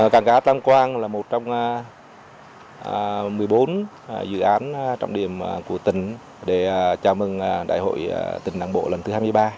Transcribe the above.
cảng cá tam quang là một trong một mươi bốn dự án trọng điểm của tỉnh để chào mừng đại hội tỉnh đảng bộ lần thứ hai mươi ba